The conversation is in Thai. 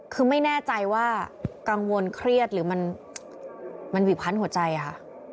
คือไม่แน่ใจว่ากังวลเครียดหรือมันหวีพันหัวใจค่ะ